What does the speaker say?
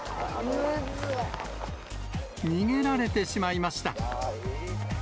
逃げられてしまいました。